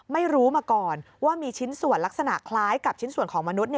ไม่รู้มาก่อนว่ามีชิ้นส่วนลักษณะคล้ายกับชิ้นส่วนของมนุษย